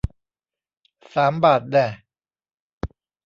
สามบาทแน่ะ